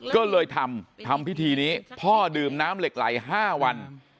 ก็เลยทำทำพิธีนี้พ่อดื่มน้ำเหล็กไหล๕วัน